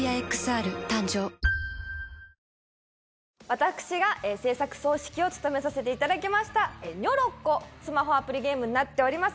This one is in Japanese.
私が製作総指揮を務めさせていただきましたにょろっこ、スマホアプリゲームになっております。